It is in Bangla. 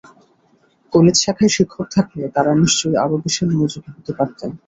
কলেজ শাখায় শিক্ষক থাকলে তাঁরা নিশ্চয়ই আরও বেশি মনোযোগী হতে পারতেন।